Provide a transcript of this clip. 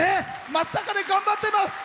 松阪で頑張ってます。